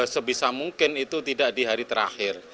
sebisa mungkin itu tidak di hari terakhir